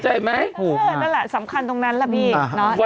เห็นไหมพูดถึงแล้วแหละสำคัญตรงนั้นแหละพี่เนอะฮือ